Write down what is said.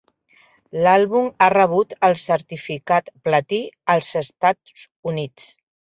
L'àlbum ha rebut el certificat platí als Estats Units.